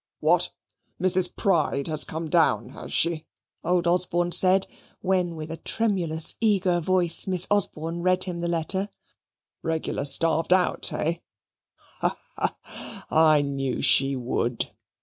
"What? Mrs. Pride has come down, has she?" old Osborne said, when with a tremulous eager voice Miss Osborne read him the letter. "Reg'lar starved out, hey? Ha, ha! I knew she would."